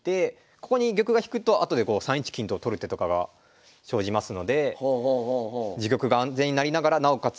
ここに玉が引くと後で３一金と取る手とかが生じますので自玉が安全になりながらなおかつ